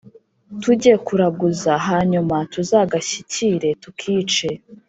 tujye kuraguza, hanyuma tuzagashyikire tukice